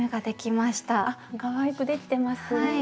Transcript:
かわいくできてます。